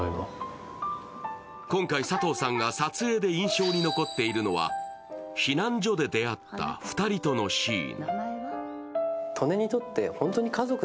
今回佐藤さんが撮影で印象に残っているのは、避難所で出会った２人とのシーン。